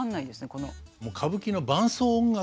この。